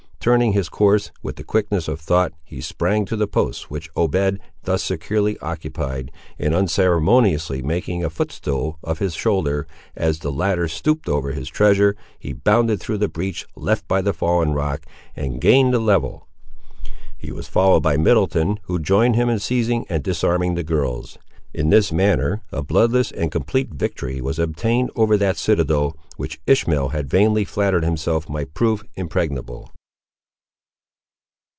Turning his course, with the quickness of thought, he sprang to the post which Obed thus securely occupied, and unceremoniously making a footstool of his shoulder, as the latter stooped over his treasure, he bounded through the breach left by the fallen rock, and gained the level. He was followed by Middleton, who joined him in seizing and disarming the girls. In this manner a bloodless and complete victory was obtained over that citadel which Ishmael had vainly flattered himself might prove impregnable.